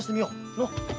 のう？